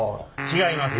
違います。